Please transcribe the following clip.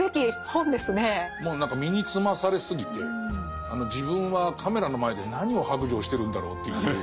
もう何か身につまされすぎて自分はカメラの前で何を白状してるんだろうという。